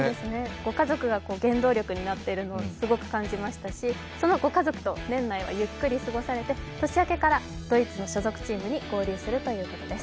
ご家族が電動力になっているのをすごく感じましたしその後家族と年内はゆっくり過ごされて年明けからドイツの所属チームに合流するということです。